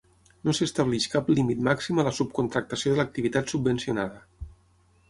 No s'estableix cap límit màxim a la subcontractació de l'activitat subvencionada.